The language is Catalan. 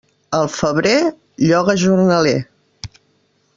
Al febrer, lloga jornaler.